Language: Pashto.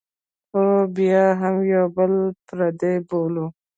خو بیا هم یو بل پردي بولو.